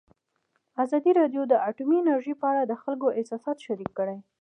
ازادي راډیو د اټومي انرژي په اړه د خلکو احساسات شریک کړي.